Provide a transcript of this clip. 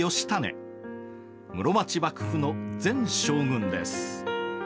室町幕府の前将軍です。